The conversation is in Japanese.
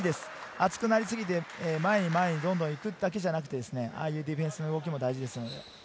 熱くなりすぎて、前に前にどんどん行くだけじゃなく、ディフェンスの動きも大事です。